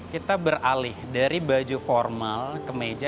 kita beralih dari baju formal ke meja